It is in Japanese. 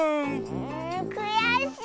んくやしい！